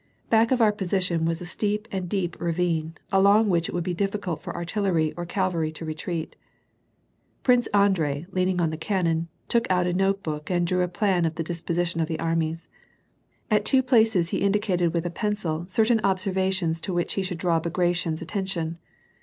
Back of our position was a steep and deep ravine, along which it would be difficult for artillery or cavalry to retreat. Prince Andrei, leaning on the cannon, took out a notebook and drew a plan of the disposition of the armies. At two places he indicated with a pencil certain observations to which he should draw Bagration's attention.